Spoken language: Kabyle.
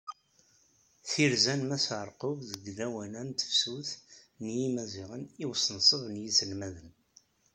Tirza-a n Mass Ɛerqub deg lawan-a n tefsut n yimaziɣen i usenṣeb n yiselmaden.